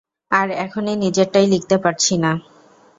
আর এখন নিজেরটাই লিখতে পারছি না।